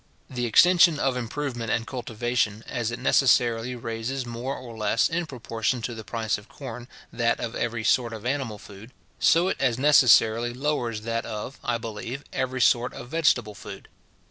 The extension of improvement and cultivation, as it necessarily raises more or less, in proportion to the price of corn, that of every sort of animal food, so it as necessarily lowers that of, I believe, every sort of vegetable food.